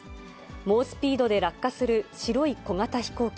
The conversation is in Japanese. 猛スピードで落下する白い小型飛行機。